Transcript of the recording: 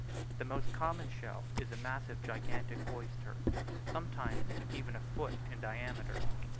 The most common shell is a massive gigantic oyster, sometimes even a foot in diameter.